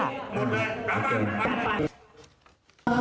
ขอบคุณครับ